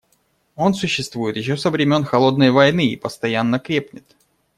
Он существует еще со времен «холодной войны» и постоянно крепнет.